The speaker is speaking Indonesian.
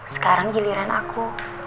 sekarang jiliran aku